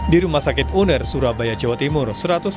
di rumah sakit uner surabaya jawa timur